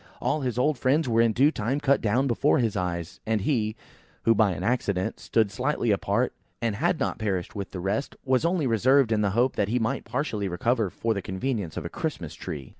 All his old friends were in due time cut down before his eyes; and he, who by an accident stood slightly apart, and had not perished with the rest, was only reserved in the hope that he might partially recover for the convenience of a Christmas tree.